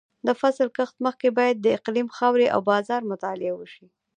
د فصل کښت مخکې باید د اقلیم، خاورې او بازار مطالعه وشي.